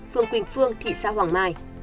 phường quỳnh phương thị xã hoàng mai